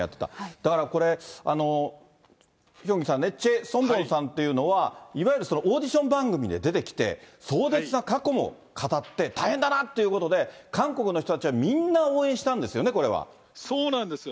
だからこれ、ヒョンギさんね、チェ・ソンボンさんというのは、いわゆるオーディション番組で出てきて、壮絶な過去を語って、大変だなということで、韓国の人たちはみんな応援したんですよね、そうなんですよ。